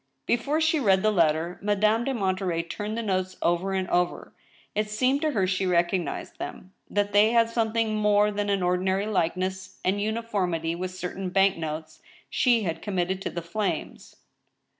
Before she read the letter. Madame de Monterey turned the notes over and over. It seemed to her she recognized them ; that they had something more than an ordinary likeness and uniformity with certain bank notes she had committed to the flames.